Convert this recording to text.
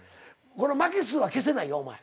この負け数は消せないよお前。